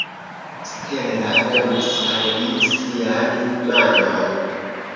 Stella donis al li sian manon.